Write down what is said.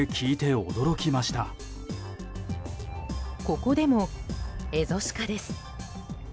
ここでもエゾシカです。